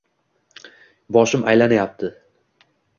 Boshim aylanyapti.